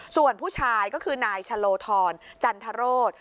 ส่วนผู้ชายก็คือนายชะโลธรจันทรโรธ